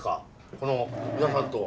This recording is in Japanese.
この皆さんと。